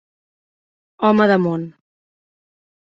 Home de món.